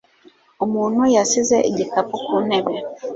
Umuntu yasize igikapu ku ntebe.